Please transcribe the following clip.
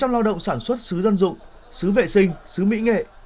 một trăm linh lao động sản xuất xứ dân dụng xứ vệ sinh xứ mỹ nghệ